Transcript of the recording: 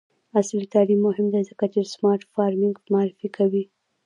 عصري تعلیم مهم دی ځکه چې د سمارټ فارمینګ معرفي کوي.